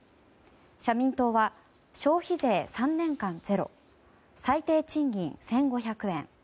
社民党は消費税３年間ゼロ最低賃金１５００円。